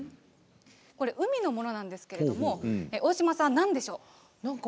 海のものなんですけれども大島さん何でしょうか？